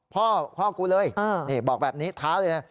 พ่อกูเลยบอกแบบนี้ท้าเลยนะ